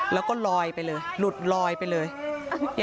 แล้วก็ลอยไปเลยหลุดลอยไปเลย